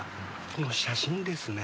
この写真ですね。